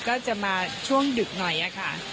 ก็จะมาช่วงดึกหน่อยค่ะ